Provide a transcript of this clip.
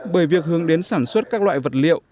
bởi việc hướng đến sản xuất các loại vật liệu